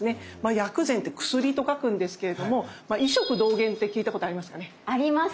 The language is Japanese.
薬膳って薬と書くんですけれども「医食同源」って聞いたことありますかね。あります。